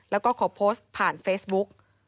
แล้วก็ขอโพสต์ผ่านเฟซบุ๊ก